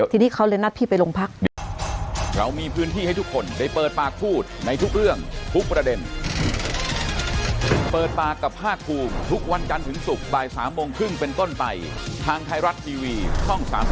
ทีนี้เขาเลยนัดพี่ไปโรงพัก